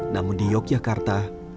namun di yogyakarta